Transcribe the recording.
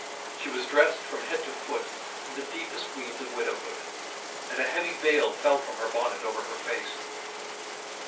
She was dressed from head to foot in the deepest weeds of widowhood, and a heavy veil fell from her bonnet over her face.